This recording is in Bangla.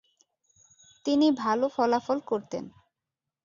তিনি ভালো ফলাফল করতেন।